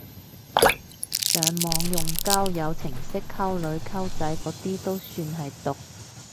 上網用交友程式溝女溝仔嗰啲都算係毒！